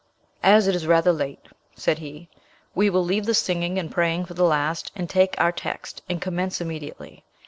"As it is rather late," said he, "we will leave the singing and praying for the last, and take our text, and commence immediately.